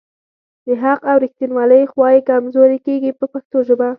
د حق او ریښتیولۍ خوا یې کمزورې کیږي په پښتو ژبه.